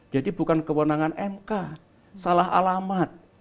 bukan kewenangan mk salah alamat